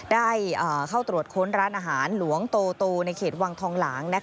ได้เข้าตรวจค้นร้านอาหารหลวงโตในเขตวังทองหลาง